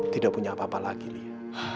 tidak punya apa apa lagi lia